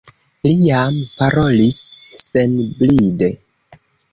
Li jam parolis senbride.